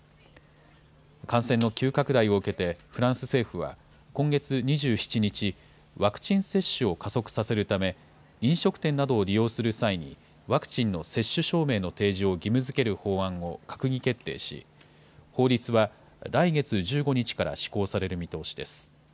感染の急拡大を受けて、フランス政府は、今月２７日、ワクチン接種を加速させるため、飲食店などを利用する際にワクチンの接種証明の提示を義務づける法案を閣議決定し、法律は、来月１５日から施行される見通しです。